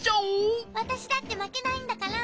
わたしだってまけないんだから。